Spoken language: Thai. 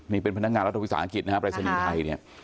นี่เป็นพนักงานรัฐธุรกิจนะครับรัฐธุรกิจประชานีไทย